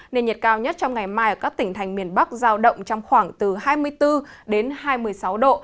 nền nhiệt cao nhất trong ngày mai ở các tỉnh thành miền bắc giao động trong khoảng từ hai mươi bốn đến hai mươi sáu độ